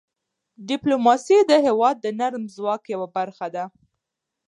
ډيپلوماسي د هېواد د نرم ځواک یوه برخه ده.